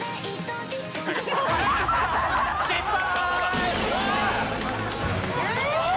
失敗！